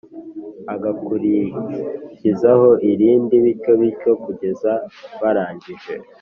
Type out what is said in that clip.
agakurikizaho irindi bityo bityo kugeza barangije